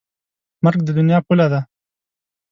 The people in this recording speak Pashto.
مرګ د دنیا پوله ده.